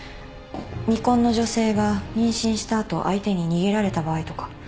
未婚の女性が妊娠した後相手に逃げられた場合とか。